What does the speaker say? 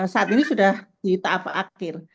saat ini sudah di tahap akhir